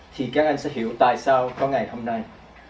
thì các anh sẽ hiểu tại sao có ngày hôm nay